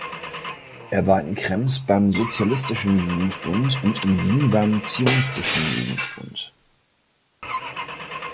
Er war in Krems beim Sozialistischen Jugendbund und in Wien beim Zionistischen Jugendbund.